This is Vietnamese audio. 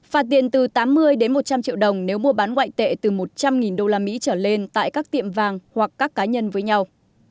phạt tiền từ tám mươi đến một trăm linh triệu đồng nếu mua bán ngoại tệ từ một trăm linh usd trở lên tại các tiệm vàng hoặc các cá nhân với nhau